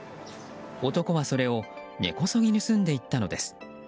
男はそれを根こそぎ盗んでいったのです。